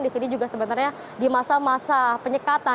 di sini juga sebenarnya di masa masa penyekatan